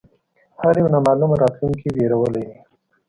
هر یو نامعلومه راتلونکې وېرولی دی